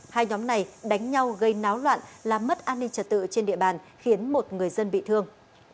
hai nhóm này đánh nhau gây náo loạn làm mất an ninh trật tự trên địa bàn khiến một người dân bị thương